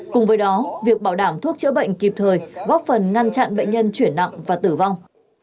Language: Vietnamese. cùng với đó việc bảo đảm thuốc chữa bệnh kịp thời góp phần ngăn chặn bệnh nhân chuyển nặng và tử vong